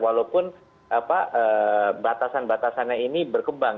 walaupun batasan batasannya ini berkembang